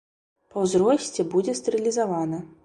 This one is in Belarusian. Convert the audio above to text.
Па ўзросце будзе стэрылізавана.